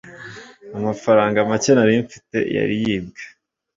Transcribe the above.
amafaranga make nari mfite yari yibwe